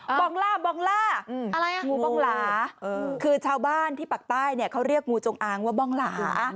บองล่าบองล่าอะไรอ่ะงูบองหลาคือชาวบ้านที่ปากใต้เนี่ยเขาเรียกงูจงอางว่าบองหลา